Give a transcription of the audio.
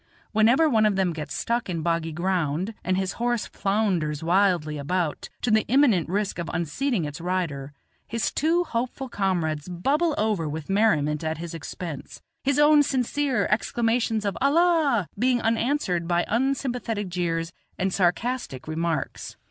Whenever one of them gets stuck in boggy ground, and his horse flounders wildly about, to the imminent risk of unseating its rider, his two hopeful comrades bubble over with merriment at his expense; his own sincere exclamations of "Allah!" being answered by unsympathetic jeers and sarcastic remarks.